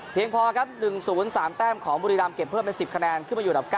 เพียงพอครับ๑๐๓แต้มของบุรีรำเก็บเพิ่มเป็น๑๐คะแนนขึ้นมาอยู่อันดับ๙